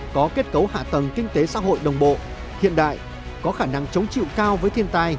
có kết cấu hạ tầng kinh tế xã hội đồng bộ hiện đại có khả năng chống chịu cao với thiên tai